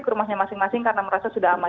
ke rumahnya masing masing karena merasa sudah aman